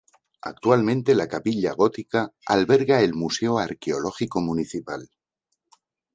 Actualmente la Capilla Gótica alberga el Museo Arqueológico municipal.